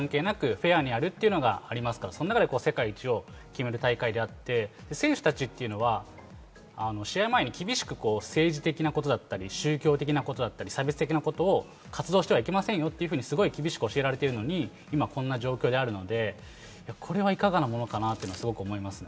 オリンピックは平等なルールで人種関係なくフェアにやるっていうのがありますから、その中で世界一を決める大会であって、選手たちは試合前に厳しく政治的なことだったり、宗教的なことだったり、差別的なことを活動してはいけないと厳しく教えられているのに今、こんな状況なので、いかがなものかなと思います。